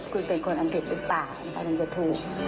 คุณเป็นคนอังกฤษหรือเปล่ากำลังจะถูก